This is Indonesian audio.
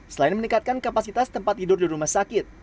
selain meningkatkan kapasitas tempat tidur di rumah sakit